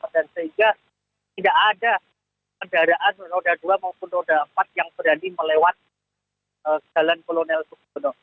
dan sehingga tidak ada kendaraan roda dua maupun roda empat yang berani melewat jalan kolonel sukiono